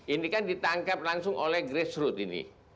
ini kan ditangkap langsung oleh grace root ini